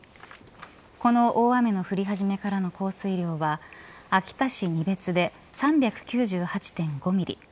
この大雨の降り始めからの降水量は秋田市仁別で３９８．５ミリ